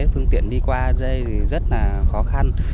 phương tiện đi qua đây thì rất là khó khăn